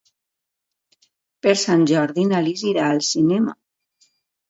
Per Sant Jordi na Lis irà al cinema.